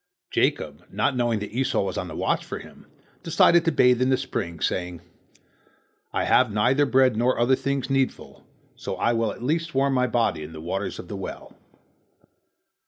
Jacob, not knowing that Esau was on the watch for him, decided to bathe in the spring, saying, "I have neither bread nor other things needful, so I will at least warm my body in the waters of the well."